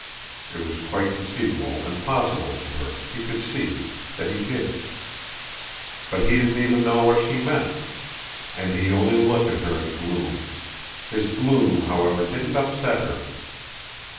It was quite conceivable and possible to her, he could see, that he did. But he didn't even know what she meant, and he only looked at her in gloom. His gloom however didn't upset her.